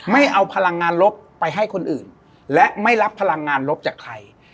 ไม่เอาพลังงานลบไปให้คนอื่นและไม่รับพลังงานลบจากใคร